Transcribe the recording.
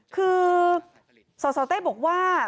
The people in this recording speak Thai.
คือสสเต้บอกว่า